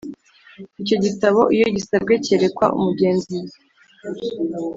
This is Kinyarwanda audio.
Icyo gitabo iyo gisabwe cyerekwa umugenzuzi